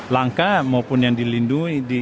langka maupun yang dilindungi